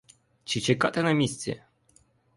Чи чекати на місці?